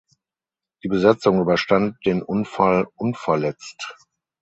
Die Besatzung überstand den Unfall unverletzt.